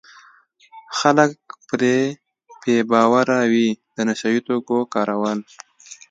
خلک پرې بې باوره وي د نشه یي توکو کارول.